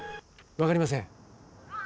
分かりません。